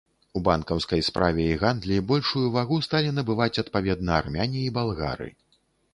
У банкаўскай справе і гандлі большую вагу сталі набываць адпаведна армяне і балгары.